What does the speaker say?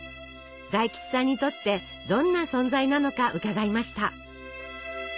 大吉さんにとってどんな存在なのか伺いました。